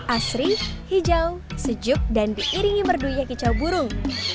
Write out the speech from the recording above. asri hijau sejuk dan diiringi merdunya kicau burung